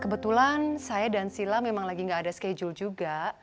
kebetulan saya dan sila memang lagi nggak ada schedule juga